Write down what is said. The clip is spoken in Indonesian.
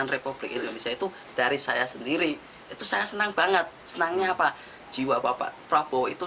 republik indonesia itu dari saya sendiri itu saya senang banget senangnya apa jiwa bapak prabowo itu